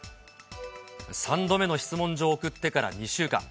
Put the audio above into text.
３度目の質問状を送ってから２週間。